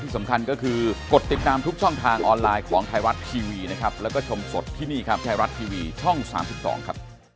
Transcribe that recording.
ที่คนก็ถามก็นะ